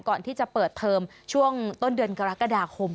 ก่อนที่จะเปิดเทอมช่วงต้นเดือนกรกฎาคม